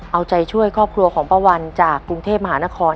เอาใจช่วยครอบครัวของป้าวันจากกรุงเทพมหานคร